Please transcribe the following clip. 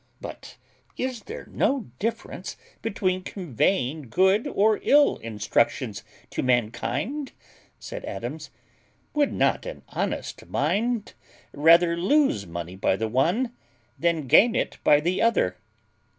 "But is there no difference between conveying good or ill instructions to mankind?" said Adams: "Would not an honest mind rather lose money by the one, than gain it by the other?"